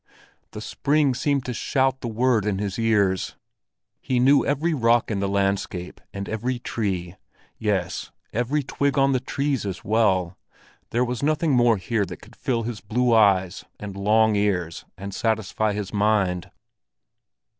The spring seemed to shout the word in his ears. He knew every rock in the landscape and every tree—yes, every twig on the trees as well; there was nothing more here that could fill his blue eyes and long ears, and satisfy his mind.